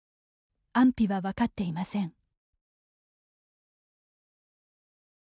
安否は分かっていません。